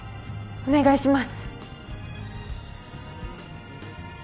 お願いします